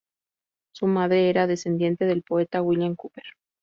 Su madre era descendiente del poeta William Cowper.